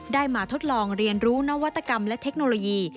ได้มาทดลองเรียนรู้นวัตกรรมและเทคโนโลยี